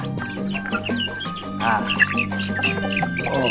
kang mus nunggu saya dateng